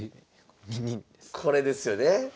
これですよね。